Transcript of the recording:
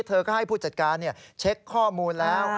เธอก็ให้ผู้จัดการเช็คข้อมูลแล้ว